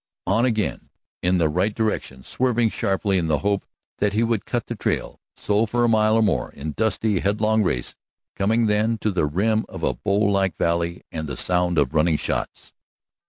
On again in the right direction, swerving sharply in the hope that he would cut the trail. So for a mile or more, in dusty, headlong race, coming then to the rim of a bowl like valley and the sound of running shots.